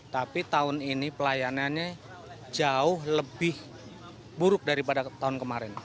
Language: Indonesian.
tapi tahun ini pelayanannya jauh lebih buruk daripada tahun kemarin